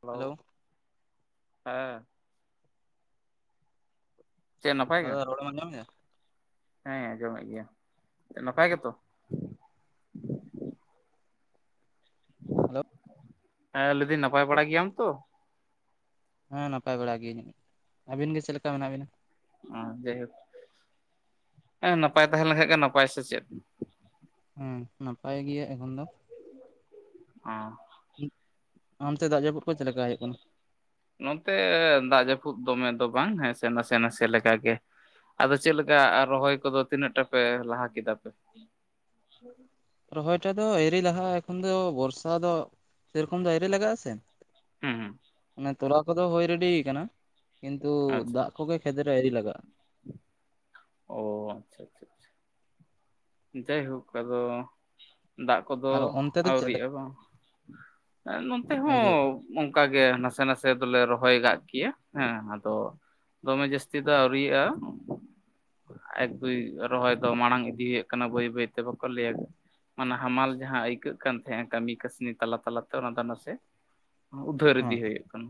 Hello ᱦᱮᱸ ᱪᱮᱫ ᱱᱟᱯᱟᱭ ᱜᱮ ᱫᱟᱫᱟ ᱨᱚᱲ ᱮᱢ ᱟᱸᱡᱚᱢ ᱮᱫᱟ ᱦᱮᱸ ᱟᱸᱡᱚᱢᱮᱫ ᱜᱮᱭᱟ ᱱᱟᱯᱟᱭ ᱜᱮᱛᱚ ᱦᱮᱞᱳ ᱦᱮᱸ ᱞᱟᱹᱭ ᱫᱤᱧ ᱱᱟᱯᱟᱭ ᱵᱟᱲᱟ ᱜᱮᱭᱟᱢ ᱛᱚ ᱦᱮᱸ ᱱᱟᱯᱟᱭ ᱵᱟᱲᱟ ᱜᱮᱤᱭᱟᱹᱧ ᱟᱹᱵᱤᱱ ᱜᱮ ᱪᱮᱫ ᱞᱮᱠᱟ ᱢᱮᱱᱟᱜ ᱵᱮᱱᱟ ᱚ ᱡᱟᱭᱦᱳᱠ ᱮᱸ ᱱᱟᱯᱟᱭ ᱛᱟᱦᱮᱸ ᱞᱮᱱᱠᱷᱟᱱ ᱜᱮ ᱱᱟᱯᱟᱭ ᱥᱮ ᱪᱮᱫ ᱦᱮᱸ ᱱᱟᱯᱟᱭ ᱜᱮᱭᱟ ᱮᱠᱷᱚᱱ ᱫᱚ ᱚ ᱟᱱᱛᱮ ᱫᱟᱜ ᱡᱟᱹᱯᱩᱫ ᱠᱚ ᱪᱮᱫ ᱞᱮᱠᱟ ᱦᱩᱭᱩᱜ ᱠᱟᱱᱟ ᱱᱚᱛᱮ ᱫᱟᱜ ᱡᱟᱹᱯᱩᱫ ᱫᱚᱢᱮ ᱫᱚ ᱵᱟᱝ ᱦᱮᱸᱥ ᱱᱟᱥᱮ ᱱᱟᱥᱮ ᱞᱮᱠᱟᱜ ᱜᱮ ᱟᱫᱚ ᱪᱮᱫ ᱞᱮᱠᱟ ᱟᱨ ᱨᱚᱦᱚᱭ ᱠᱚᱫᱚ ᱛᱤᱱᱟᱹᱜ ᱴᱟᱯᱮ ᱞᱟᱦᱟ ᱠᱮᱫᱟ ᱯᱮ [unintelligible] ᱨᱚᱦᱚᱭ ᱴᱟ ᱫᱚ ᱣᱨᱤ ᱞᱟᱜᱟᱜᱼᱟ ᱮᱠᱷᱚᱱ ᱫᱚ ᱵᱚᱨᱥᱟ ᱫᱚ ᱥᱮᱨᱚᱠᱚᱢ ᱫᱚ ᱟᱭᱨᱮ ᱞᱟᱜᱟᱜᱼᱟ ᱥᱮ ᱦᱮᱸ ᱦᱮᱸ ᱚᱱᱮ ᱛᱚᱞᱟ ᱠᱚᱫᱚ ᱦᱩᱭ ᱨᱮᱰᱤ ᱠᱟᱱᱟ ᱠᱤᱱᱛᱩ ᱟᱪᱪᱷᱟ ᱫᱟᱜ ᱠᱚᱜᱮ ᱠᱷᱮᱛ ᱨᱮ ᱟᱣᱨᱤ ᱞᱟᱜᱟᱜᱼᱟ ᱚ ᱟᱪᱪᱷᱟ ᱟᱪᱪᱷᱟ ᱟᱪᱪᱷᱟ ᱡᱟᱭᱦᱳᱠ ᱟᱫᱚ ᱫᱟᱜ ᱠᱚᱫᱚ ᱟᱨ ᱚᱱᱛᱮ ᱫᱚ ᱪᱮᱫ ᱞᱮᱠᱟ ᱟᱹᱣᱨᱤᱭᱟᱜᱼᱟ ᱵᱟᱝ ᱱᱚᱱᱚᱛᱮ ᱦᱚᱸ ᱟᱣᱨᱤ ᱚᱱᱠᱟ ᱜᱮ ᱱᱟᱥᱮ ᱱᱟᱥᱮ ᱫᱚᱞᱮ ᱨᱚᱦᱚᱭ ᱠᱟᱜ ᱜᱮᱭᱟ ᱦᱮᱸ ᱟᱫᱚ ᱫᱚᱢᱮ ᱡᱟᱹᱥᱛᱤ ᱫᱚ ᱟᱹᱣᱨᱤᱭᱟᱹᱜᱼᱟ ᱮᱠᱴᱩᱭ ᱨᱚᱦᱚᱭ ᱫᱚ ᱢᱟᱲᱟᱝ ᱤᱫᱤᱭᱮᱫ ᱠᱟᱱᱟ ᱵᱟᱹᱭ ᱵᱟᱹᱭ ᱛᱮ ᱵᱟᱠᱚ ᱞᱹᱭᱟ ᱢᱟᱱᱮ ᱦᱟᱢᱟᱞ ᱡᱟᱦᱟᱸ ᱟᱹᱭᱠᱟᱹᱜ ᱠᱟᱱ ᱛᱟᱦᱮᱸᱼᱟ ᱠᱟᱹᱢᱤ ᱠᱟᱹᱥᱱᱤ ᱛᱟᱞᱟ ᱛᱟᱞᱟᱛᱮ ᱚᱱᱟ ᱫᱚ ᱱᱟᱥᱮ ᱩᱫᱷᱟᱹᱨ ᱤᱫᱤ ᱦᱮᱸ ᱦᱩᱭᱩᱜ ᱠᱟᱱᱟ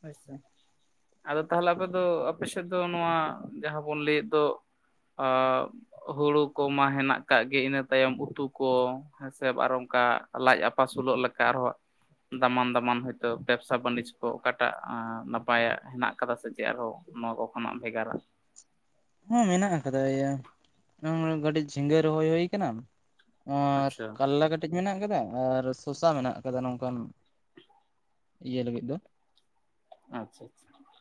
ᱦᱳᱭ ᱥᱮ ᱟᱫᱚ ᱛᱟᱦᱚᱞᱮ ᱟᱯᱮ ᱫᱚ ᱟᱯᱮ ᱥᱮᱫ ᱫᱚ ᱱᱚᱣᱟ ᱡᱟᱦᱟᱸ ᱵᱚᱱ ᱞᱟᱹᱭᱮᱫ ᱫᱚ ᱟ ᱦᱩᱲᱩ ᱠᱚᱢᱟ ᱦᱮᱱᱟᱜ ᱠᱟᱜ ᱜᱮ ᱤᱱᱟᱹ ᱛᱟᱭᱚᱢ ᱩᱛᱩ ᱠᱚ ᱦᱮᱸᱥᱮ ᱟᱨ ᱚᱱᱠᱟ ᱞᱟᱡ ᱟᱯᱟᱥᱩᱞᱚᱜ ᱞᱮᱠᱟ ᱟᱨᱦᱚᱸ ᱫᱟᱢᱟᱱ ᱫᱟᱢᱟᱱ ᱦᱚᱳᱭᱛᱳ ᱵᱮᱵᱽᱥᱟ ᱵᱟᱹᱱᱤᱡᱽ ᱠᱚ ᱚᱠᱟᱴᱟᱜ ᱱᱟᱯᱟᱭᱟᱜ ᱦᱮᱱᱟᱜ ᱟᱠᱟᱫᱟ ᱥᱮ ᱪᱮ ᱟᱨᱦᱚᱸ ᱱᱚᱣᱟ ᱠᱚ ᱠᱷᱚᱱᱟᱜ ᱵᱷᱮᱜᱟᱨᱟ ᱦᱮᱸ ᱢᱮᱱᱟᱜ ᱟᱠᱟᱫᱟ ᱤᱭᱟᱹ ᱠᱟᱹᱴᱤᱡ ᱡᱷᱤᱸᱜᱟᱹ ᱨᱚᱦᱚᱭ ᱦᱩᱭ ᱟᱠᱟᱱᱟ ᱟᱨ ᱟᱪᱪᱷᱟ ᱠᱟᱞᱞᱟ ᱠᱟ ᱠᱟᱴᱤᱡ ᱢᱮᱱᱟᱜ ᱟᱠᱟᱫᱟ ᱟᱨ ᱥᱚᱥᱟ ᱢᱮᱱᱟᱜ ᱟᱠᱟᱫᱟ ᱱᱚᱝᱠᱟᱱ ᱤᱭᱟᱹ ᱞᱟᱹᱜᱤᱫ ᱫᱚ ᱟᱼᱪᱪᱷᱟ, ᱟᱪᱪᱷᱟ,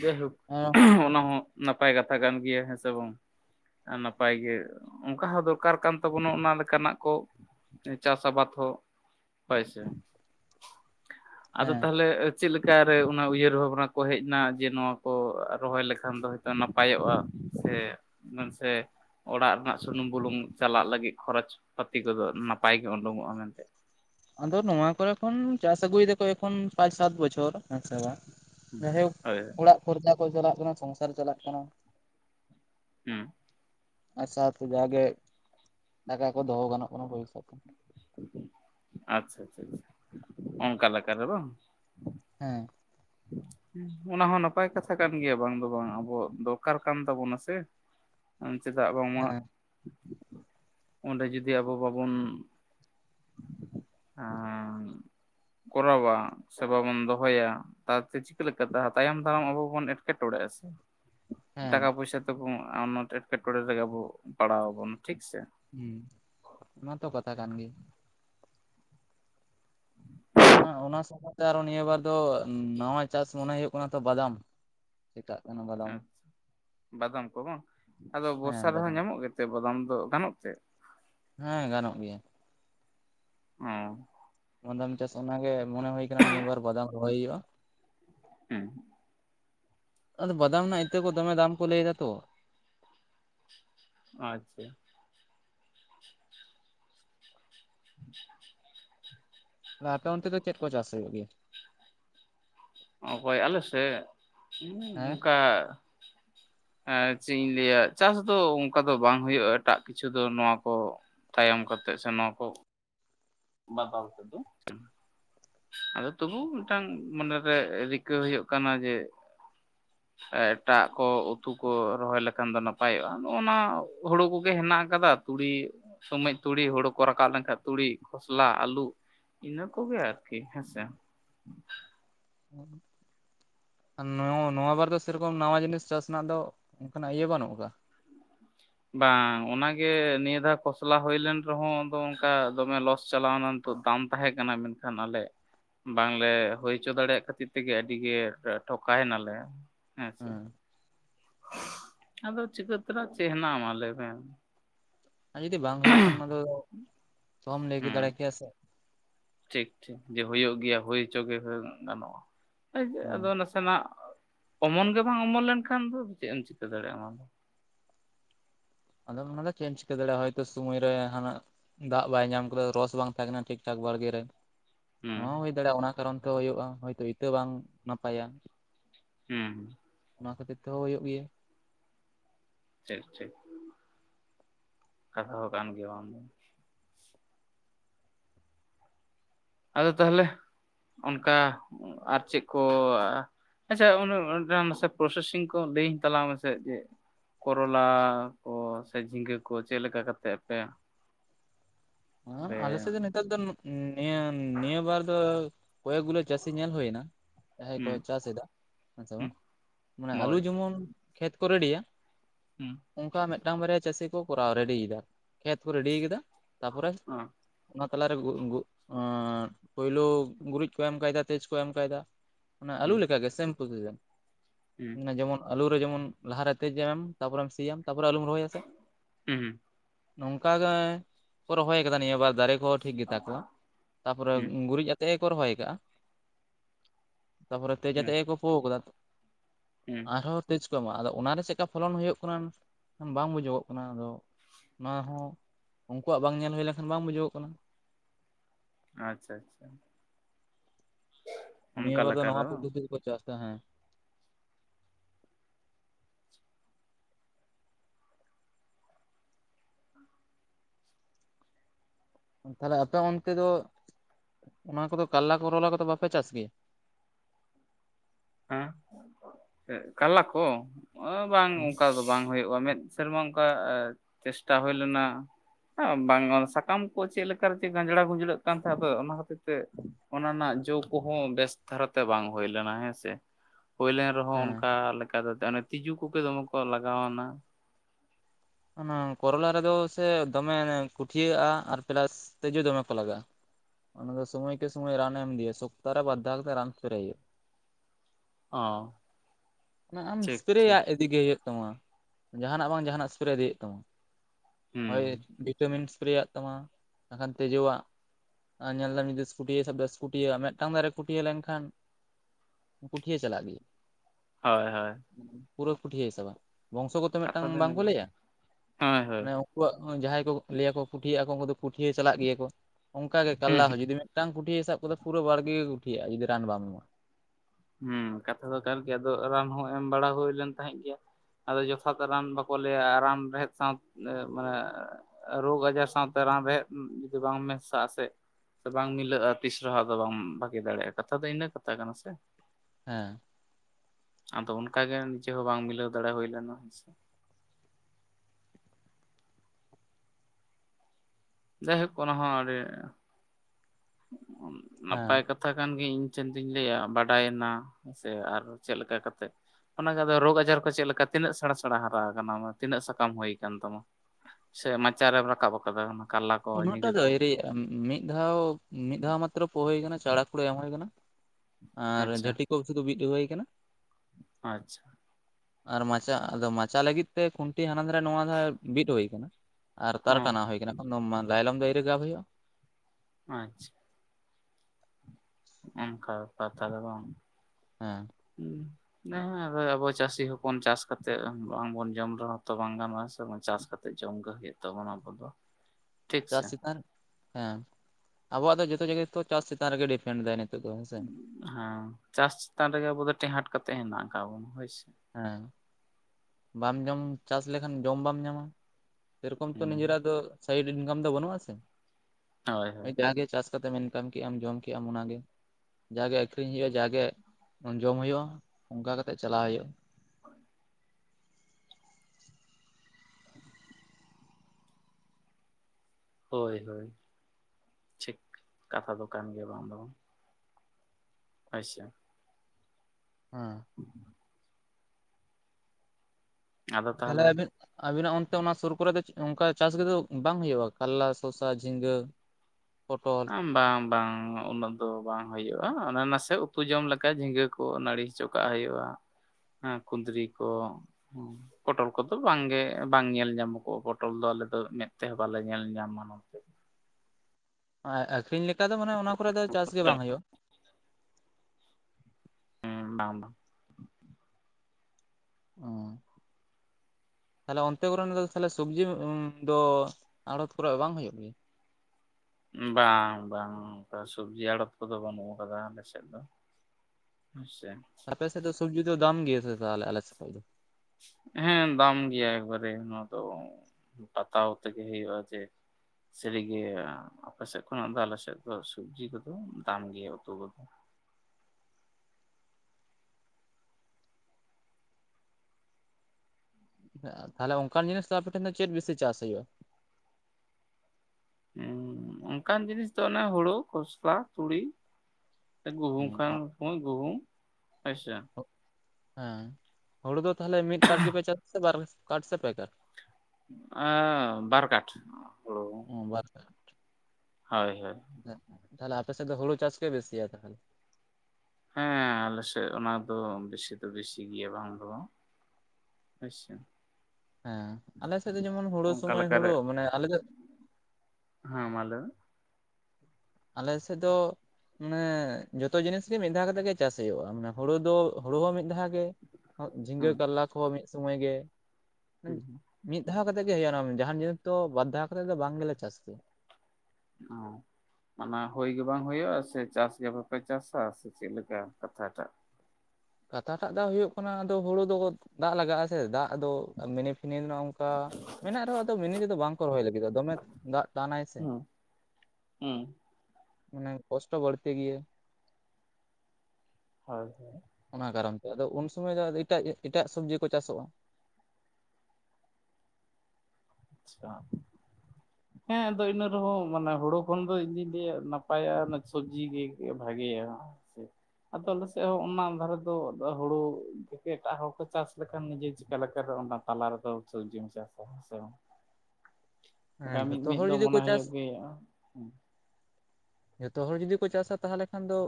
ᱡᱟᱭ ᱦᱳᱠ ᱾ ᱮᱸᱻᱳᱸ ᱾ ᱩᱸᱷ ᱚᱱᱟ ᱦᱚᱸ, ᱱᱟᱯᱟᱭ ᱠᱟᱛᱷᱟ ᱠᱟᱱ ᱜᱮᱭᱟ, ᱦᱮᱸᱥᱮ ᱵᱟᱝ? ᱱᱟᱯᱟᱭ ᱜᱮ, ᱚᱱᱠᱟ ᱦᱚᱸ, ᱫᱚᱨᱠᱟᱨ ᱠᱟᱱ ᱛᱟᱵᱚᱱᱟ ᱾ ᱚᱱᱟ, ᱞᱮᱠᱟᱱᱟᱜ ᱠᱚ ᱪᱟᱥ ᱟᱵᱟᱫ ᱦᱚ, ‌ ᱦᱳᱭ ᱥᱮ ᱾ ᱟᱫᱚ, ᱛᱟᱦᱚᱞᱮ ᱪᱮᱫ ᱞᱮᱠᱟ? ᱥᱮ, ᱚᱱᱟ ᱩᱭᱦᱟᱹᱨ ᱵᱷᱟᱵᱽᱱᱟ ᱠᱚ, ᱦᱮᱡ ᱮᱱᱟ, ᱡᱮ ᱱᱚᱣᱟ ᱠᱚ, ᱨᱚᱦᱚᱭ ᱞᱮᱠᱷᱟᱱ ᱫᱚ, ᱦᱚᱭ ᱛᱳ, ᱱᱟᱯᱟᱭᱚᱜᱼᱟ ᱾ ᱥᱮ ᱢᱮᱱ ᱥᱮ ᱚᱲᱟᱜ ᱨᱮᱱᱟᱜ, ᱥᱩᱱᱩᱢ ᱵᱩᱞᱩᱝ ᱪᱟᱞᱟᱜ ᱞᱟᱹᱜᱤᱫ, ᱠᱷᱚᱨᱚᱪ ᱯᱟᱹᱛᱤ ᱠᱚᱫᱚ, ᱱᱟᱯᱟᱭ ᱜᱮ, ᱩᱰᱩᱠᱚᱜᱼᱟ, ᱢᱮᱱᱛᱮ ᱾ ᱟᱫᱚ, ᱱᱚᱣᱟ ᱠᱚᱨᱮ ᱠᱷᱚᱱ, ᱪᱟᱥ ᱟᱹᱜᱩᱭ ᱮᱫᱟ ᱠᱚ, ᱮᱠᱷᱚᱱ ᱯᱟᱸᱪ, ᱥᱟᱛ ᱵᱚᱪᱷᱚᱨ, ᱦᱮᱸ ᱥᱮ ᱵᱟᱝ? ᱡᱟᱭ ᱦᱳᱠ, ᱦᱳᱭ ᱚᱲᱟᱜ ᱠᱷᱚᱨᱪᱟ ᱠᱚ, ᱪᱟᱞᱟᱜ ᱠᱟᱱᱟ ᱾ ᱥᱚᱝᱥᱟᱨ ᱪᱟᱞᱟᱜ ᱠᱟᱱᱟ ᱾ ᱦᱮᱸᱻ ᱾ ᱟᱪᱪᱷᱟ ᱦᱟᱯᱮ, ᱡᱟᱜᱮ ᱴᱟᱠᱟ ᱠᱚ, ᱫᱚᱦᱚ ᱜᱟᱱᱚᱜ ᱠᱟᱱᱟ ᱾ ᱯᱚᱭᱥᱟ ᱠᱚ ᱼᱼ ᱟᱼᱪᱪᱷᱟ, ᱪᱪᱷᱟ, ᱪᱷᱟ ᱚᱱᱠᱟ ᱞᱮᱠᱟ ᱨᱮ ᱵᱟᱝ? ᱦᱮᱸᱻ ᱾ ᱚᱱᱟ ᱦᱚ, ᱱᱟᱯᱟᱭ ᱠᱟᱛᱷᱟ ᱠᱟᱱ ᱜᱮᱭᱟ, ᱵᱟᱝ ᱫᱚ ᱵᱟᱝ, ᱟᱵᱚᱣᱟᱜ ᱫᱚᱨᱠᱟᱨ ᱠᱟᱱ, ᱛᱟᱵᱚᱱᱟ ᱥᱮ ᱾ ᱚᱱᱛᱮ, ᱫᱟᱜ ᱵᱟᱝ ᱢᱚᱻᱦᱟᱜ ᱦᱮᱸ ᱾ ᱚᱸᱰᱮ ᱡᱩᱫᱤ, ᱟᱵᱚ ᱵᱟᱵᱚᱱ, ᱟᱻᱜ ᱾ ᱠᱚᱨᱟᱣᱟ ᱾ ᱥᱮ, ᱵᱟᱵᱚᱱ ᱫᱚᱦᱚᱭᱟ ᱾ ᱛᱟᱛᱮ, ᱪᱤᱠᱟᱹᱞᱮᱠᱟ ᱛᱮ, ᱛᱟᱭᱚᱢ ᱫᱟᱨᱟᱢ, ᱟᱵᱚ ᱵᱚᱱ, ᱮᱴᱠᱮᱴᱚᱲᱮᱼᱟ ᱥᱮ ᱾ ᱦᱮᱸ ᱴᱟᱠᱟ ᱯᱚᱭᱥᱟ ᱛᱮᱵᱚ, ᱟᱱᱟᱴ ᱮᱴᱠᱮᱴᱚᱲᱮ ᱨᱮᱜᱮ ᱵᱚ, ᱯᱟᱲᱟᱣ ᱟᱵᱚᱱ, ᱴᱷᱤᱠ ᱥᱮ ᱾ ᱦᱩᱸ, ᱚᱱᱟ ᱛᱚ, ᱠᱟᱛᱷᱟ ᱠᱟᱱ ᱜᱮᱭᱟ ᱾ ᱦᱚᱸ ᱚᱱᱟ, ᱥᱟᱶᱛᱮ ᱱᱤᱭᱟ ᱵᱤᱨ ᱫᱚ ᱟᱨᱦᱚ, ᱱᱟᱣᱟ ᱪᱟᱥ ᱢᱚᱱᱮ ᱦᱩᱭᱩᱜ ᱠᱟᱱᱟ ᱛᱚ, ᱵᱟᱫᱟᱢ ᱾ ᱮᱴᱟᱜ [unintelligible] ᱵᱟᱫᱟᱢ, ᱟᱪᱪᱷᱟ ᱵᱟᱫᱟᱢ ᱠᱚ ᱵᱟᱝ? ᱟᱫᱚ, ᱵᱚᱨᱥᱟ ᱦᱮᱸ ᱨᱮᱦᱚᱸ, ᱵᱟᱫᱟᱢ ᱧᱟᱢᱚᱜ ᱜᱮ ᱛᱮ ᱵᱟᱫᱟᱢ ᱫᱚ, ᱜᱟᱱᱚᱜ ᱛᱮ ᱾ ᱦᱟᱸᱭ, ᱜᱟᱱᱚᱜ ᱜᱮᱭᱟ ᱾ ᱦᱚᱸᱻ ᱾ ᱵᱟᱫᱟᱢ ᱪᱟᱥ, ᱚᱱᱟ ᱜᱮ ᱢᱚᱱᱮ ᱦᱳᱭ ᱟᱠᱟᱱᱟ ᱾ ᱱᱤᱭᱟᱹ ᱵᱟᱨ ᱵᱟᱫᱟᱢ ᱨᱚᱦᱚᱭ, ᱦᱩᱭᱩᱜᱼᱟ ᱾ ᱦᱮᱸᱻ ᱾ ᱟᱫᱚ, ᱵᱟᱫᱟᱢ ᱨᱮᱱᱟᱜ ᱤᱛᱟᱹ ᱠᱚ, ᱫᱚᱢᱮ ᱫᱟᱢ ᱠᱚ, ᱞᱟᱹᱭ ᱮᱫᱟ ᱛᱚ ᱾ ᱟᱪᱪᱷᱟ ᱾ [inaudible] ᱞᱟᱦᱟ ᱴᱚᱱ, ᱚᱱᱛᱮ ᱫᱚ, ᱪᱮᱫ ᱠᱚ, ᱪᱟᱥ ᱦᱩᱭᱩᱜ ᱜᱮᱭᱟ? ᱚᱠᱚᱭ? ᱟᱞᱮ ᱥᱮᱫ, ᱦᱩᱸᱻ ᱦᱮᱸ ᱚᱱᱠᱟ ᱮᱸᱻ ᱪᱮᱫ ᱤᱧ ᱞᱟᱹᱭᱟ ᱾ ᱪᱟᱥ ᱫᱚ ᱚᱱᱠᱟ ᱫᱚ, ᱵᱟᱝ ᱦᱳᱭᱳᱜᱼᱟ ᱾ ᱮᱴᱟᱜ ᱠᱤᱪᱷᱩ ᱫᱚ, ᱱᱚᱣᱟ ᱠᱚ ᱛᱟᱭᱚᱢ ᱠᱟᱛᱮᱜ ᱥᱮ, ᱱᱚᱣᱟ ᱠᱚ ᱵᱟᱯ ᱚᱛ ᱫᱚ [unintelligible] ᱟᱫᱚ, ᱛᱚᱵᱩ ᱢᱤᱫᱴᱟᱱ ᱢᱚᱱᱮ ᱨᱮ, ᱨᱤᱠᱟᱹ ᱦᱩᱭᱩᱜ ᱠᱟᱱᱟ ᱾ ᱡᱮ ᱮᱴᱟᱜ ᱠᱚ, ᱩᱛᱩ ᱠᱚ, ᱨᱚᱦᱚᱭ ᱞᱮᱠᱷᱟᱱ ᱫᱚ, ᱱᱟᱯᱟᱭᱚᱜᱼᱟ ᱾ ᱚᱱᱟ, ᱦᱩᱲᱩ ᱠᱚᱜᱮ, ᱦᱮᱱᱟᱜ ᱟᱠᱟᱫᱟ ᱾ ᱛᱩᱲᱤ, ᱥᱚᱢᱚᱭ ᱛᱩᱲᱤ, ᱦᱩᱲᱩ ᱠᱚ, ᱨᱟᱠᱟᱵ ᱞᱮᱱᱠᱷᱟᱡ, ᱛᱩᱲᱤ, ᱠᱷᱚᱥᱞᱟ, ᱟᱹᱞᱩ ᱾ ᱤᱱᱟᱹ ᱠᱚᱜᱮ, ᱟᱨᱠᱤ ᱠ [unintelligible] ᱦᱮ ᱥᱮ᱾ [inaudible] ᱱᱚᱣᱟ ᱵᱟᱨ ᱫ, ᱥᱮ ᱨᱚᱠᱚᱢ ᱱᱟᱣᱟ ᱡᱤᱱᱤᱥ, ᱪᱟᱥ ᱨᱮᱱᱟᱜ ᱫᱚ, ᱚᱱᱠᱟᱱᱟᱜ ᱤᱭᱟᱹ ᱵᱟᱹᱱᱩᱜ ᱠᱟᱜ-ᱟ‌ ᱾ ᱵᱟᱝ ᱾ ᱚᱱᱟ ᱜᱮ ᱱᱤᱭᱟᱹ ᱫᱷᱟᱣ, ᱠᱷᱚᱥᱞᱟ ᱦᱩᱭ ᱞᱮᱱ ᱨᱮᱦᱚᱸ, ᱚᱱᱠᱟ ᱫᱚᱢᱮ ᱞᱚᱥ, ᱪᱟᱞᱟᱣ ᱮᱱᱟ ᱾ ᱯᱩᱨᱩᱛᱟᱢ ᱛᱟᱢ ᱛᱟᱦᱮᱸ ᱠᱟᱱᱟ, ᱢᱮᱱᱠᱷᱟᱱ, ᱟᱞᱮ ᱵᱟᱝ ᱞᱮ ᱦᱩᱭ ᱦᱚᱪᱚ ᱫᱟᱲᱮᱭᱟᱜ ᱠᱷᱟᱹᱛᱤᱨ ᱛᱮᱜᱮ ᱟᱹᱰᱤᱜᱮ ᱴᱷᱚᱠᱟᱭᱮᱱᱟᱞᱮ ᱦᱮᱸ ᱥᱮ, ᱟᱫᱚ ᱪᱤᱠᱟᱹ ᱛᱮᱱᱟᱜ ᱪᱮᱜ ᱦᱮᱱᱟᱜ-ᱟ ᱢᱟ ᱞᱟᱹᱭ ᱵᱮᱱ ᱟᱨ ᱡᱩᱫᱤ ᱵᱟᱝ ᱦᱩᱭᱩᱜ ᱠᱷᱟᱱ ᱚᱱᱟᱫᱚ ᱛᱚᱢ ᱞᱟᱹᱭ ᱜᱮ ᱦᱮᱸ ᱫᱟᱲᱮ ᱠᱮᱭᱟ ᱥᱮ, ᱴᱷᱤᱠ ᱴᱷᱤᱠ ᱡᱮ ᱦᱩᱭᱩᱜ ᱜᱮᱭᱟ ᱦᱩᱭ ᱦᱚᱪᱚᱜᱮ ᱜᱟᱱᱚᱜᱼᱟ ᱦᱮᱸ ᱟᱫᱚ, ᱱᱟᱥᱮᱱᱟᱜ ᱚᱢᱚᱱ ᱜᱮ ᱵᱟᱝ ᱚᱢᱚᱱ ᱞᱮᱱᱠᱷᱟᱱ ᱫᱚ ᱪᱮᱫ ᱮᱢ ᱪᱤᱠᱟᱹ ᱫᱟᱲᱮᱭᱟᱜᱼᱟ ᱚᱱᱟ ᱫᱚ ᱾ ᱟᱫᱚ ᱚᱱᱟ ᱫᱚ ᱪᱮᱫ ᱮᱢ ᱪᱤᱠᱟᱹ ᱫᱟᱲᱮᱭᱟᱜᱼᱟ ᱦᱚᱭ ᱛᱚ ᱥᱚᱢᱚᱭ ᱨᱮ ᱦᱟᱱᱟᱜ ᱫᱟᱜ ᱵᱟᱭ ᱧᱟᱢ ᱟᱠᱟᱫᱟ ᱨᱚᱥ ᱵᱟᱝ ᱛᱟᱦᱮᱸ ᱠᱟᱱᱟ ᱴᱷᱤᱠ ᱴᱷᱟᱠ ᱵᱟᱲᱜᱮ ᱨᱮ ᱾ ᱦᱩᱸ ᱱᱚᱣᱟ ᱦᱚᱸ ᱦᱩᱭ ᱫᱟᱲᱮᱭᱟᱜᱼᱟ ᱚᱱᱟ ᱠᱟᱨᱚᱱ ᱛᱮ ᱦᱩᱭᱩᱜᱼᱟ ᱦᱚᱭᱛᱳ ᱤᱛᱟᱹ ᱵᱟᱝ ᱱᱟᱯᱟᱭᱟ ᱾ ᱦᱮᱸ ᱦᱩᱸᱻ ᱚᱱᱟ ᱠᱷᱟᱹᱛᱤᱨ ᱛᱮᱦᱚᱸ ᱦᱩᱭᱩᱜ ᱜᱮᱭᱟ ᱾ ᱴᱷᱤᱠ-ᱴᱷᱤᱠ ᱾ ᱠᱟᱛᱷᱟ ᱦᱚᱸ ᱠᱟᱱ ᱜᱮᱭᱟ ᱵᱟᱝ ᱫᱚ, ᱟᱫᱚ ᱛᱟᱦᱞᱮ ᱚᱱᱠᱟ ᱟᱨ ᱪᱮᱫ ᱠᱚ, ᱟᱪᱪᱷᱟ [unintelligible] ᱯᱨᱚᱥᱮᱥᱤᱝ ᱠᱚ ᱞᱟᱹᱭᱟᱹᱧ ᱛᱟᱞᱟ ᱢᱮᱥᱮ ᱡᱮ ᱠᱚᱨᱚᱞᱟ ᱠᱚ ᱥᱮ ᱡᱷᱤᱸᱜᱟᱹ ᱠᱚ ᱪᱮᱫ ᱞᱮᱠᱟ ᱠᱟᱛᱮᱜ ᱯᱮ, ᱦᱚᱸ ᱯᱮ ᱟᱞᱮ ᱥᱮᱫ ᱫᱚ ᱱᱮᱛᱟᱨ ᱫᱚ ᱱᱚ ᱱᱤᱭᱟᱹ ᱱᱤᱭᱟᱹ ᱵᱟᱨ ᱫᱚ ᱠᱚᱭᱮᱠ ᱜᱩᱞᱳ ᱪᱟᱹᱥᱤ ᱧᱮᱞ ᱦᱩᱭ ᱮᱱᱟ ᱾ ᱡᱟᱦᱟᱸᱭ ᱠᱚ ᱦᱩᱸ ᱪᱟᱥ ᱮᱫᱟ ᱦᱮᱸ ᱥᱮ ᱦᱩᱸ ᱵᱟᱝ ᱢᱟᱱᱮ ᱟᱹᱞᱩ ᱦᱳᱭ ᱡᱮᱢᱚᱱ ᱠᱷᱮᱛ ᱠᱚ ᱨᱮᱰᱤᱭᱟ, ᱦᱩᱸᱻ ᱚᱱᱠᱟ ᱢᱤᱫᱴᱟᱱ ᱵᱟᱨᱭᱟ ᱪᱟᱹᱥᱤ ᱠᱚ ᱠᱚᱨᱟᱣ ᱨᱮᱰᱤᱭᱫᱟ ᱠᱷᱮᱛ ᱠᱚ ᱨᱮᱰᱤᱭ ᱠᱮᱫᱟ ᱛᱟᱨᱯᱚᱨᱮ, ᱦᱚᱸ ᱚᱱᱟ ᱛᱟᱞᱟᱨᱮ ᱜᱩ ᱜᱩ ᱮᱸᱻ ᱯᱩᱭᱞᱩ ᱜᱩᱨᱤᱡ ᱠᱚ ᱮᱢ ᱠᱟᱭ ᱫᱟ ᱛᱮᱡᱽ ᱠᱚ ᱮᱢ ᱠᱟᱭᱫᱟ᱾ ᱚᱱᱟᱮ ᱟᱹᱞᱩ ᱦᱩᱸ ᱞᱮᱠᱟᱜᱮ ᱥᱮ ᱦᱩᱸ [unintelligible] ᱚᱱᱟ ᱡᱮᱢᱚᱱ, ᱟᱹᱞᱩ ᱨᱮ ᱡᱮᱢᱚᱱ ᱞᱟᱦᱟᱨᱮ ᱛᱮᱡ ᱮᱢ ᱛᱟᱨᱯᱚᱨᱮᱢ ᱥᱤᱭᱟᱢ ᱛᱟᱨᱯᱚᱨᱮ ᱟᱹᱞᱩᱢ ᱨᱚᱦᱚᱭᱟ ᱥᱮ, ᱦᱩᱸ ᱱᱚᱝᱠᱟ ᱜᱮ ᱠᱚ ᱨᱚᱦᱚᱭ ᱟᱠᱟᱫᱟ ᱱᱤᱭᱟᱹ ᱵᱟᱨ ᱫᱟᱨᱮ ᱠᱚᱦᱚᱸ ᱴᱷᱤᱠ ᱜᱮ ᱛᱟᱠᱚᱣᱟ ᱛᱟᱯᱚᱨᱮ ᱦᱩᱸ ᱜᱩᱨᱤᱡᱼᱼ ᱛᱮ ᱜᱮᱠᱚ ᱨᱚᱦᱚᱭ ᱟᱠᱟᱜᱼᱟ ᱛᱟᱨᱯᱚᱨᱮ ᱛᱮᱡᱽ ᱟᱛᱮ ᱦᱩᱸ ᱜᱮᱠᱚ ᱯᱩ ᱟᱠᱟᱫᱟ ᱦᱩᱸ ᱾ ᱟᱨᱦᱚᱸ, ᱛᱮᱡᱽ ᱠᱚ ᱮᱢᱚᱜᱼᱟ ᱟᱫᱚ ᱚᱱᱟᱨᱮ ᱪᱮᱫ ᱠᱟ ᱯᱷᱚᱞᱚᱱ ᱦᱩᱭᱩᱜ ᱠᱟᱱᱟ ᱵᱟᱝ ᱵᱩᱡᱩᱜᱚᱜ ᱠᱟᱱᱟ ᱟᱫᱚ ᱚᱱᱟ ᱦᱚᱸ ᱟᱠᱚᱣᱟᱜ ᱵᱟᱝ ᱧᱮᱞ ᱦᱩᱭ ᱞᱮᱱᱠᱷᱟᱱ ᱵᱟᱝ ᱵᱩᱡᱚᱜ ᱠᱟᱱᱟ ᱾ ᱟᱪᱪᱷᱟ ᱟᱪᱪᱷᱟ ᱾ ᱦ [unintelligible] ᱱᱤᱭᱟᱹ ᱵᱟᱨ ᱫᱚ ᱱᱟᱣᱟ ᱯᱩᱫᱫᱩ ᱛᱮᱠᱚ ᱪᱟᱥᱟ ᱦᱮᱸ, ᱛᱟᱦᱚᱞᱮ ᱟᱯᱮ ᱚᱱᱛᱮ ᱫᱚ ᱚᱱᱟ ᱠᱚᱫᱚ ᱠᱟᱨᱞᱟ ᱠᱚ ᱨᱚᱞᱟ ᱠᱚᱫᱚ ᱵᱟᱯᱮ ᱪᱟᱥ ᱜᱮᱭᱟ ᱾ ᱦᱮᱸ ᱠᱟᱨᱞᱟ ᱠᱚ ᱚᱸᱻ ᱵᱟᱝ ᱦᱩᱸ ᱚᱱᱠᱟ ᱫᱚ ᱵᱟᱝ ᱦᱩᱭᱩᱜᱼᱟ ᱢᱮᱫ ᱥᱮᱨᱢᱟ ᱚᱱᱠᱟ ᱪᱮᱥᱴᱟ ᱦᱩᱭ ᱞᱮᱱᱟ ᱾ ᱵᱟᱝ ᱥᱟᱠᱟᱢ ᱠᱚ ᱪᱮᱫ ᱞᱮᱠᱟᱨᱮ ᱡᱮ ᱜᱟᱸᱡᱽᱲᱟ ᱜᱩᱸᱡᱲᱟᱹᱜ ᱠᱟᱱ ᱛᱟᱦᱮᱸᱫᱚᱜ ᱚᱱᱟ ᱦᱚᱛᱮ ᱛᱮ, ᱚᱱᱟ ᱨᱮᱱᱟᱜ ᱡᱚ ᱠᱚᱦᱚᱸ ᱵᱮᱥ ᱫᱷᱟᱨᱟ ᱛᱮ ᱵᱟᱝ ᱦᱩᱭ ᱞᱮᱱᱟ ᱦᱮᱸ ᱥᱮ ᱾ ᱦᱩᱭ ᱞᱮᱱ ᱨᱮᱦᱚᱸ ᱦᱮᱸ ᱚᱱᱠᱟ ᱞᱮᱠᱟ ᱫᱚ ᱚᱱᱮ ᱛᱤᱡᱩ ᱠᱚᱜᱮ ᱫᱚᱢᱮ ᱠᱚ ᱞᱟᱜᱟᱣᱮᱱᱟ ᱾ ᱚᱱᱟ ᱠᱚᱨᱚᱞᱟ ᱨᱮᱫᱚ ᱥᱮ ᱫᱚᱢᱮ ᱠᱩᱴᱷᱤᱭᱟᱹᱜᱼᱟ ᱟᱨ ᱯᱮᱞᱟᱥ ᱛᱤᱡᱩ ᱫᱚᱢᱮ ᱠᱚ ᱞᱟᱜᱟᱜᱼᱟ ᱾ ᱚᱱᱟ ᱫᱚ ᱥᱚᱢᱚᱭ ᱠᱮ ᱥᱚᱢᱚᱭ ᱨᱟᱱ ᱮᱢ ᱤᱫᱤ ᱥᱚᱠᱛᱟ ᱨᱮ ᱵᱟᱨᱫᱷᱟᱣ ᱠᱟᱛᱮ ᱨᱟᱱ ᱮᱥᱯᱮᱨᱮ ᱦᱩᱭᱩᱜ-ᱟ ᱾ ᱦᱚᱸᱻ ᱟᱢ ᱮᱥᱯᱨᱮᱭᱟᱜ ᱤᱫᱤᱜᱮ ᱦᱩᱭᱩᱜ ᱛᱟᱢᱟ ᱡᱟᱦᱟᱱᱟᱜ ᱵᱟᱝ ᱡᱟᱦᱟᱱᱟᱜ ᱮᱥᱯᱨᱮ ᱤᱫᱤ ᱦᱩᱭᱩᱜ ᱛᱟᱢᱟ ᱾ ᱦᱚᱭ ᱦᱩᱸ ᱵᱷᱤᱴᱟᱢᱤᱱ ᱮᱥᱯᱨᱮᱜ ᱛᱟᱢᱟ ᱵᱟᱠᱷᱟᱱ ᱛᱤᱡᱩᱣᱟᱜ ᱟᱨ ᱧᱮᱞᱫᱟᱢ ᱡᱩᱫᱤ ᱤᱥᱠᱩᱴᱤᱭᱟᱹ ᱥᱟᱵ ᱫᱚ ᱥᱠᱩᱴᱤᱭᱟᱹᱟᱜ ᱢᱤᱫᱴᱟᱹᱝ ᱫᱟᱨᱮ ᱠᱩᱴᱭᱟᱹ ᱞᱮᱱᱠᱷᱟᱱ ᱠᱩᱴᱷᱤᱭᱟᱹ ᱪᱟᱞᱟᱜ ᱜᱮᱭᱟ ᱾ ᱦᱚᱭ ᱦᱚᱭ, ᱯᱩᱨᱟᱹ ᱠᱩᱴᱭᱟᱹ ᱥᱟᱵᱟ ᱵᱚᱝᱥᱚ ᱜᱚᱛᱚ ᱠᱟᱛᱷᱟ ᱢᱤᱫᱴᱟᱝ ᱫᱚ ᱤᱱᱟᱹ ᱵᱟᱝᱠᱚ ᱠᱟᱱᱟ ᱞᱟᱹᱭᱟ? ᱦᱳᱭ ᱦᱳᱭ ᱢᱟᱱᱮ ᱩᱱᱠᱩᱣᱟᱜ ᱡᱟᱦᱟᱸᱭ ᱠᱚ ᱞᱟᱹᱭᱟᱠᱚ ᱠᱩᱴᱷᱤᱭᱟᱹᱜ ᱟᱠᱚ ᱩᱱᱠᱩ ᱫᱚ ᱠᱩᱴᱷᱭᱟᱹ ᱪᱟᱞᱟᱜ ᱜᱮᱭᱟ ᱠᱚ᱾ ᱚᱱᱠᱟ ᱜᱮ ᱦᱩᱸ ᱦᱩᱸ ᱠᱟᱨᱞᱟ ᱦᱚᱸ ᱡᱩᱫᱤ ᱢᱤᱫᱴᱟᱝ ᱠᱩᱴᱭᱟᱹᱭ ᱥᱟᱵ ᱠᱚᱫᱟ ᱯᱩᱨᱟᱹ ᱵᱟᱲᱜᱮ ᱜᱮ ᱠᱩᱴᱷᱤᱟ. ᱜ-ᱟ ᱡᱩᱫᱤ ᱨᱟᱱ ᱵᱟᱢ ᱮᱢᱟ᱾ ᱦᱮᱸ ᱠᱟᱛᱷᱟ ᱫᱚ ᱠᱟᱱ ᱜᱮ ᱟᱫᱚ ᱨᱟᱱ ᱦᱚᱸ ᱮᱢ ᱵᱟᱲᱟ ᱦᱩᱭ ᱞᱮᱱ ᱛᱟᱦᱮᱸᱫ ᱜᱮᱭᱟ᱾ ᱟᱫᱚ ᱡᱚᱛᱷᱟᱛ ᱨᱟᱱ ᱵᱟᱠᱚ ᱞᱟᱹᱭᱟ ᱨᱟᱱ ᱨᱮᱦᱮᱫ ᱥᱟᱶ ᱢᱟᱱᱮ ᱨᱳᱜᱽ ᱟᱡᱟᱨ ᱥᱟᱶᱛᱮ ᱨᱟᱱ ᱨᱮᱦᱮᱫ ᱡᱩᱫᱤ ᱵᱟᱝ ᱢᱮᱥᱟᱜ ᱟ ᱥᱮ ᱥᱮ ᱵᱟᱝ ᱢᱤᱞᱟᱹᱜᱼᱟ ᱛᱤᱥ ᱨᱮᱦᱚᱸ ᱚᱫᱚ ᱵᱟᱢ ᱵᱷᱟᱜᱮ ᱫᱟᱲᱮᱭᱟᱜᱼᱟ ᱠᱟᱛᱷᱟ ᱫᱚ ᱤᱱᱟᱹ ᱠᱟᱛᱷᱟ ᱠᱟᱱᱟ ᱥᱮ᱾ ᱦᱮᱸ ᱟᱫᱚ ᱚᱱᱠᱟ ᱜᱮ ᱪᱮᱜ ᱦᱚᱸ ᱵᱟᱝ ᱢᱤᱞᱟᱹᱣ ᱫᱟᱲᱮ ᱦᱩᱭ ᱞᱮᱱᱟ ᱦᱮᱸ ᱡᱟᱭ ᱦᱚᱠ ᱚᱱᱟ ᱦᱚᱸ ᱟᱰᱤ ᱦᱮᱸ ᱱᱟᱯᱟᱭ ᱠᱟᱛᱦᱟ ᱠᱟᱛᱷᱟ ᱠᱟᱱ ᱜᱮ ᱤᱧ ᱛᱤᱧ ᱞᱟᱹᱭᱟ ᱵᱟᱰᱟᱭᱮᱱᱟᱸ ᱥᱮ ᱟᱨ ᱪᱮᱫ ᱞᱮᱠᱟ ᱠᱟ ᱠᱟᱛᱮᱫ ᱚᱱᱟ ᱜᱮ ᱟᱫᱚ ᱨᱳᱜᱽ ᱟᱡᱟᱨ ᱠᱚ ᱪᱮᱫᱞᱮᱠᱟ ᱛᱤᱱᱟᱹᱜ ᱥᱮᱬᱟ ᱥᱮᱬᱟ ᱦᱟᱨᱟ ᱟᱠᱟᱱᱟ ᱛᱤᱱᱟᱹᱜ ᱥᱟᱠᱟᱢ ᱦᱩᱭ ᱠᱟᱱ ᱛᱟᱢᱟ? ᱥᱮ ᱢᱟᱪᱟᱨᱮᱢ ᱨᱟᱠᱟᱵ ᱟᱠᱟᱫᱟ ᱚᱱᱟ ᱠᱟᱨᱞᱟ ᱠᱚ? ᱩᱱᱟᱹᱜᱴᱟ ᱡᱷᱤᱸᱜᱟᱹ ᱫᱚ ᱠᱚ ᱟᱣᱨᱤ ᱭᱟᱜ-ᱟ ᱢᱤᱫ ᱫᱷᱟᱣ ᱢᱤᱫ ᱫᱷᱟᱣ ᱢᱟᱛᱨᱚ ᱯᱳ ᱦᱩᱭ ᱟᱠᱟᱱᱟ ᱪᱟᱲᱟ ᱠᱩᱲᱟ. ᱮᱢ ᱦᱩᱭ ᱟᱠᱟᱱᱟ᱾ ᱟᱨ ᱟᱪᱪᱷᱟ ᱡᱷᱟᱹᱴᱤ ᱠᱚ ᱥᱩᱫᱩ ᱵᱤᱫ ᱦᱚᱭ ᱟᱠᱟᱱᱟ᱾ ᱟᱪᱪᱷᱟ ᱟᱨ ᱢᱟᱪᱟ ᱟᱫᱚ ᱢᱟᱪᱟ ᱞᱟᱹᱜᱤᱫ ᱛᱮ ᱠᱷᱩᱱᱴᱤ ᱦᱟᱱᱟ ᱫᱷᱟᱨᱮ ᱱᱚᱣᱟ ᱫᱦᱟᱨᱮ ᱵᱤᱫ ᱦᱩᱭ ᱟᱠᱟᱱᱟ᱾ ᱟᱨ ᱚ ᱛᱟᱨᱟᱴᱟᱱᱟᱣ ᱦᱩᱭ ᱠᱟᱱᱟ ᱮᱠᱷᱚᱱ ᱞᱟᱭᱞᱚᱢ ᱜᱮ ᱟᱭᱨᱤ ᱜᱟᱵ ᱦᱩᱭᱩᱜᱼᱟ᱾ ᱟᱪᱪᱷᱟ ᱚᱱᱠᱟ ᱵᱮᱯᱟᱨ ᱛᱟᱦᱚᱞᱮ ᱵᱟᱝ? ᱦᱮᱸ ᱦᱮᱸ [unintelligible] ᱦᱮᱸ ᱟᱵᱚ ᱪᱟᱹᱥᱤ ᱦᱚᱯᱚᱱ ᱪᱟᱥ ᱠᱟᱛᱮᱜ ᱵᱟᱝᱵᱚᱱ ᱡᱚᱢ ᱨᱮᱦᱚᱸ ᱛᱚ ᱵᱟᱝ ᱜᱟᱱᱚᱜᱼᱟ ᱦᱮᱸ ᱥᱮ ᱵᱟᱝ ᱪᱟᱥ ᱠᱟᱛᱮ ᱡᱚᱢ ᱜᱮ ᱦᱳᱭᱳᱜ ᱛᱵᱚᱱᱟ ᱟᱵᱚ ᱫᱚ᱾ ᱴᱷᱤᱠ ᱥᱮ ᱪᱟᱥ ᱪᱮᱛᱟᱱ ᱦᱮᱸ ᱟᱵᱚᱣᱟᱜ ᱫᱚ ᱡᱚᱛᱚ ᱡᱟᱭᱜᱟ ᱪᱟᱥ ᱪᱮᱛᱟᱱ ᱨᱮᱜᱮ ᱰᱤᱯᱮᱱᱰ ᱟᱭ ᱱᱤᱛᱚᱜ ᱫᱚ ᱦᱮᱸᱥᱮ ᱦᱮᱸ ᱪᱟᱥ ᱪᱮᱛᱟᱱ ᱨᱮᱜᱮ ᱟᱵᱚ ᱫᱚ ᱴᱮᱦᱟᱸᱴ ᱠᱟᱛᱮᱜ ᱦᱮᱱᱟᱜ ᱟᱠᱟᱜ ᱵᱚᱱ ᱦᱳᱭᱥᱮ᱾ ᱦᱮᱸ ᱵᱟᱢ ᱡᱚᱢ ᱪᱟᱥ ᱞᱮᱠᱷᱟᱱ ᱡᱚᱢ ᱵᱟᱢ ᱧᱟᱢᱟ᱾ ᱥᱮᱨᱚᱠᱚᱢ ᱛᱚ ᱦᱮᱸ ᱱᱤᱡᱮᱨᱟᱜ ᱫᱚ ᱥᱟᱭᱤᱰ ᱤᱱᱠᱟᱢ ᱫᱚ ᱵᱟᱹᱱᱩᱜ ᱟᱥᱮ ᱦᱳᱭ ᱦᱳᱭ ᱡᱟᱜᱮ ᱪᱟᱥ ᱠᱟᱛᱮᱢ ᱤᱱᱠᱟᱢ ᱠᱮᱫᱼᱟᱢ ᱡᱚᱢ ᱠᱮᱫ ᱟᱢ ᱚᱱᱟᱜᱮ᱾ ᱡᱟᱜᱮ ᱟᱠᱷᱨᱤᱧ ᱦᱳᱭᱳᱼᱟ ᱡᱟᱜᱮ ᱡᱚᱢ ᱦᱳᱭᱳᱜᱼᱟ ᱚᱱᱠᱟ ᱠᱟᱛᱮᱜ ᱪᱟᱞᱟᱜ ᱦᱳᱭᱳᱼᱟ। ᱦᱳᱭ ᱦᱳᱭ ᱴᱷᱤᱠ ᱠᱟᱛᱷᱟ ᱫᱚ ᱠᱟᱱ ᱜᱮᱭᱟ ᱵᱟᱝ ᱫᱚ ᱵᱟᱝ। ᱟᱪᱪᱷᱟ। ᱦᱮᱸ ᱛᱟᱦᱚᱞᱮ ᱟᱹᱵᱤᱱ ᱟᱵᱤᱱᱟᱜ ᱚᱱᱛᱮ ᱚᱱᱟ ᱥᱩᱨ ᱠᱚᱨᱮ ᱫᱚ ᱚᱱᱠᱟ ᱪᱟᱥ ᱠᱚᱫᱚ ᱵᱟᱝ ᱦᱩᱭᱩᱜᱼᱟ ᱠᱟᱨᱞᱟ ᱥᱚᱥᱟ ᱡᱷᱤᱸᱜᱟᱹ? ᱯᱷᱴᱳᱞ ᱵᱟᱝ ᱵᱟᱝ ᱩᱱᱟᱹᱜ ᱫᱚ ᱵᱟᱝ ᱦᱩᱭᱩᱜᱼᱟ ᱚᱱᱮ ᱱᱟᱥᱮ ᱩᱛᱩ ᱡᱚᱢ ᱞᱮᱠᱟ ᱡᱷᱤᱸᱜᱟᱹ ᱠᱚ ᱱᱟᱹᱲᱤ ᱦᱚᱪᱚ ᱠᱟᱜ ᱦᱩᱭᱩᱜᱼᱟ ᱠᱩᱫᱽᱨᱤ ᱠᱚ। ᱯᱚᱴᱚᱞ ᱠᱚᱫᱚ ᱵᱟᱝᱜᱮ ᱵᱟᱝ ᱧᱮᱞ ᱧᱟᱢᱚᱜᱚᱜᱼᱟ ᱯᱚᱴᱚᱞ ᱫᱚ ᱟᱞᱮ ᱫᱚ ᱢᱮᱫ ᱛᱮᱦᱚᱸ ᱵᱟᱞᱮ ᱧᱮᱞ ᱧᱟᱢᱟ ᱱᱚᱛᱮ। ᱟᱨ ᱟᱠᱠᱷᱨᱤᱧ ᱞᱮᱠᱟ ᱫᱚ ᱢᱟᱱᱮ ᱚᱱᱟ ᱠᱚᱨᱮ ᱫᱚ ᱪᱟᱥ ᱜᱮ ᱵᱟᱝ ᱦᱩᱭᱩᱜᱼᱟ? ᱦᱩᱸ, ᱵᱟᱝ ᱵᱟᱝ। [unintelligible] ᱛᱟᱦᱚᱞᱮ ᱚᱱᱛᱮ ᱠᱚᱨᱮ ᱫᱚ ᱛᱟᱦᱞᱮ ᱥᱚᱵᱡᱤ ᱫᱚ ᱟᱲᱚᱛ ᱠᱚᱨᱮ ᱵᱟᱝ ᱦᱩᱭᱩᱜ ᱜᱮ? ᱵᱟᱝ ᱵᱟᱝ ᱚᱱᱠᱟ ᱥᱚᱵᱡᱤ ᱟᱲᱚᱛ ᱠᱚᱫᱚ ᱵᱟᱹᱱᱩᱜ ᱟᱠᱟᱫᱟ ᱟᱞᱮᱥᱮᱫ ᱫᱚ। ᱟᱪᱪᱷᱟ, ᱟᱯᱮ ᱥᱮᱫ ᱫᱚ ᱥᱚᱵᱽᱡᱤ ᱫᱚ ᱫᱟᱢ ᱜᱮᱭᱟ ᱥᱮ ᱛᱟᱦᱮᱞᱮ ᱟᱞᱮ ᱥᱮᱫ ᱠᱷᱚᱡ ᱫᱚ, ᱦᱮᱸ ᱫᱟᱢ ᱜᱮᱭᱟ ᱮᱠᱵᱟᱨᱮ ᱱᱚᱣᱟ ᱫᱚ ᱵᱟᱛᱟᱣ ᱛᱮᱜᱮ ᱦᱩᱭᱩᱜᱼᱟ, ᱡᱮ ᱥᱟᱹᱨᱤᱜᱮ ᱟᱯᱮ ᱥᱮᱫ ᱠᱷᱚᱱᱟᱜ ᱫᱚ ᱟᱞᱮᱥᱮᱫ ᱫᱚ ᱥᱩᱵᱽᱡᱤ ᱠᱚᱫᱚ ᱫᱟᱢ ᱜᱮᱭᱟ ᱩᱛᱩ ᱠᱚᱫᱚ। ᱟ ᱛᱟᱦᱮᱞᱮ ᱚᱸᱠᱟᱱ ᱡᱤᱱᱤᱥ ᱫᱚ ᱟᱯᱮᱴᱷᱮᱱ ᱫᱚ ᱪᱮᱫ ᱵᱮᱥᱤ ᱪᱟᱥ ᱦᱩᱭᱩᱜᱼᱟ? ᱦᱩᱸ ᱚᱸᱠᱟᱱ ᱡᱤᱱᱤᱥ ᱫᱚ ᱚᱱᱮ ᱦᱩᱲᱩ, ᱠᱷᱚᱥᱞᱟ, ᱛᱩᱲᱤ। ᱱᱚᱛᱮ ᱜᱩᱦᱩᱢ ᱠᱷᱟᱱ ᱱᱚᱛᱮ ᱢᱟ ᱜᱩᱦᱩᱢ, ᱟᱪᱪᱷᱟ᱾ ᱦᱮᱸ ᱦᱩᱲᱩ ᱫᱚ ᱛᱟᱦᱮᱞᱮ ᱢᱤᱫ ᱠᱟᱴ ᱜᱮᱯᱮ ᱪᱟᱥᱼᱟ, ᱥᱮ ᱵᱟᱨ ᱠᱟᱴ ᱥᱮ ᱯᱮ ᱠᱟᱴ? ᱟᱸᱶ ᱵᱟᱨ ᱠᱟᱴ। ᱦᱩᱲᱩ ᱩᱸ ᱵᱟᱨ ᱠᱟᱴ᱾ ᱦᱳᱭ ᱦᱳᱭ᱾ ᱦᱮᱸ ᱛᱟᱦᱮᱞᱮ ᱟᱯᱮ ᱥᱮᱫ ᱫᱚ ᱦᱩᱲᱩ ᱪᱟᱥ ᱜᱮ ᱵᱮᱥᱤᱭᱟ ᱛᱟᱦᱮᱞᱮ, ᱦᱮᱸ ᱟᱞᱮᱥᱮᱫ ᱚᱱᱟ ᱫᱚ ᱵᱮᱥᱤ ᱫᱚ ᱵᱮᱥᱤ ᱜᱮᱭᱟ ᱵᱟᱝ ᱫᱚ, ᱟᱪᱪᱷᱟ, ᱦᱮᱸ ᱟᱞᱮ ᱥᱮᱫ ᱫᱚ ᱡᱮᱢᱚᱱ ᱦᱩᱲᱳ ᱚᱱᱠᱟ ᱥᱚᱢᱚᱭ ᱦᱩᱲᱳ ᱞᱮᱠᱟᱨᱮ ᱢᱟᱱᱮ ᱟᱞᱮ ᱥᱮᱫ ᱦᱮᱸ ᱢᱟᱹᱞᱟᱹ, ᱟᱞᱮ ᱥᱮᱫ ᱫᱚ ᱢᱟᱱᱮᱻ ᱡᱚᱛᱚ ᱡᱤᱱᱤᱥ ᱜᱮ ᱢᱤᱫ ᱫᱷᱟᱣ ᱠᱟᱛᱮ ᱜᱮ ᱪᱟᱥ ᱦᱩᱭᱩᱜᱼᱟ ᱢᱟᱱᱮ ᱦᱩᱲᱩ ᱫᱚ ᱦᱩᱲᱩ ᱦᱚᱸ ᱢᱤᱫ ᱫᱷᱟᱣ ᱜᱮ। ᱦᱚᱫ, ᱡᱷᱤᱸᱜᱟᱹ ᱠᱟᱨᱞᱟ ᱠᱚᱦᱚᱸ ᱢᱤᱫ ᱥᱚᱢᱚᱭ ᱜᱮ। ᱦᱮᱸ ᱢᱤᱫ ᱫᱷᱟᱣ ᱠᱟᱛᱮᱜ ᱜᱮ ᱦᱩᱭᱩᱜᱼᱟ ᱚᱱᱟ ᱡᱟᱦᱟᱸᱱ ᱡᱤᱱᱤᱥ ᱛᱚ ᱵᱟᱨ ᱫᱷᱟᱣ ᱠᱟᱛᱮᱫ ᱫᱚ ᱵᱟᱝ ᱜᱮᱞᱮ ᱪᱟᱥ ᱜᱮ। ᱟᱶ ᱚᱱᱟ ᱦᱩᱭ ᱜᱮ ᱵᱟᱝ ᱦᱩᱭᱩᱜᱼᱟ, ᱥᱮ ᱪᱟᱥ ᱜᱮ ᱵᱟᱯᱮ ᱪᱟᱥᱼᱟ ᱥᱮ ᱪᱮᱫ ᱞᱮᱠᱟ ᱠᱟᱛᱷᱟ ᱴᱟᱜ? ᱠᱟᱛᱷᱟ ᱴᱟᱜ ᱫᱚ ᱫᱟᱜ ᱦᱩᱭᱩᱜ ᱠᱟᱱᱟ ᱟᱫᱚ ᱦᱩᱲᱳ ᱫᱚ ᱫᱟᱜ ᱞᱟᱜᱟᱜᱼᱟ ᱥᱮ ᱫᱟᱜ ᱫᱚ ᱢᱮᱱᱤ ᱯᱷᱤᱱᱤ [unintelligible] ᱚᱸᱠᱟ ᱢᱮᱱᱟᱜ ᱨᱮᱦᱚᱸ ᱟᱫᱚ ᱢᱤᱱᱤ ᱛᱮᱫᱚ ᱵᱟᱝ ᱠᱚ ᱨᱚᱦᱚᱭ ᱞᱟᱹᱜᱤᱫᱚᱜ ᱫᱚᱢᱮ ᱫᱟᱜ ᱴᱟᱱᱼᱟᱭ ᱥᱮ। ᱦᱩᱸ ᱢᱟᱱᱮ ᱠᱚᱥᱴᱚ ᱵᱟᱹᱲᱛᱤ ᱜᱮᱭᱟᱭ। ᱦᱳᱭ ᱦᱳᱭ, ᱚᱱᱟ ᱠᱟᱨᱚᱱ ᱛᱮ, ᱟᱫᱚ ᱩᱱ ᱥᱚᱢᱚᱭ ᱫᱚ ᱮᱴᱟᱜ ᱮ ᱮᱴᱟᱜ ᱥᱩᱵᱽᱡᱤ ᱠᱚ ᱪᱟᱥᱼᱚᱜᱼᱟ। ᱟᱪᱪᱷᱟ, ᱦᱮᱸ ᱟᱫᱚ ᱤᱱᱟᱹ ᱨᱮᱦᱚᱸ ᱢᱟᱱᱮ ᱦᱩᱲᱩ ᱠᱷᱚᱱ ᱫᱚ ᱤᱧ ᱫᱩᱧ ᱞᱟᱹᱭᱼᱟ ᱱᱟᱯᱟᱭᱟ ᱥᱚᱵᱽᱡᱤ ᱜᱮ ᱵᱷᱟᱜᱮᱭᱟ, ᱦᱮᱸᱥᱮ! ᱟᱻᱫᱚ ᱟᱞᱮᱥᱮᱜ ᱦᱚᱸ ᱚᱱᱟ ᱫᱷᱟᱨᱟ ᱫᱚ ᱦᱩᱲᱩ ᱯᱮᱠᱮᱴᱟᱜ ᱦᱚᱸᱠᱚ ᱪᱟᱥ ᱞᱮᱠᱷᱟᱱ ᱱᱤᱡᱟᱹ ᱪᱮᱠᱟ ᱞᱮᱠᱟᱨᱮ ᱚᱱᱟ ᱛᱟᱞᱟ ᱨᱮᱫᱚ ᱥᱚᱵᱽ ᱡᱤᱢ ᱪᱟᱥᱼᱟ, ᱦᱮᱸᱥᱮ ᱵᱟᱝᱼ᱾ ᱦᱮᱸ ᱜᱚᱴᱟᱭ ᱢᱤᱫ ᱡᱷᱚᱛᱚ ᱢᱤᱫ ᱦᱚᱲ ᱫᱚ ᱡᱩᱫᱤ ᱢᱚᱱᱮ ᱠᱚ ᱪᱟᱥ ᱦᱩᱭᱩᱜ ᱜᱮ ᱭᱟ, ᱡᱷᱚᱛᱚ ᱦᱚᱲ ᱡᱩᱫᱤ ᱠᱚ ᱪᱟᱥᱼᱟ ᱛᱟᱦᱮᱞᱮ ᱠᱷᱟᱱ ᱫᱚ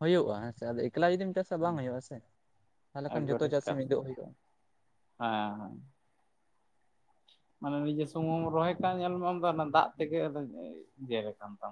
ᱦᱩᱭᱩᱜᱼᱟ ᱦᱮᱸᱥᱮ ᱟᱫᱚ ᱮᱠᱞᱟ ᱡᱩᱫᱤᱢ ᱪᱟᱥ ᱛᱚ ᱵᱟᱝ ᱦᱩᱭᱩᱜᱼᱟ, ᱥᱮ ᱛᱟᱦᱮᱞᱮ ᱠᱷᱟᱱ ᱡᱚᱛᱚ ᱮᱠᱵᱟᱨᱮ ᱪᱟᱹᱥᱤ ᱦᱮᱸ ᱢᱤᱫᱚᱜ ᱦᱩᱭᱩᱜᱼᱟ᱾ ᱦᱮᱸ ᱦᱮ [unintelligible] ᱢᱟᱱᱮ ᱱᱤᱡᱮ ᱥᱩᱢᱩᱢ ᱨᱚᱦᱚᱭ ᱠᱟᱜ ᱧᱮᱞ ᱢᱮ ᱟᱢ ᱫᱚ ᱚᱱᱟ ᱫᱟᱜ ᱛᱮᱜᱮ ᱟᱫᱚ ᱡᱮᱨ ᱟᱠᱟᱱ ᱛᱟᱢ,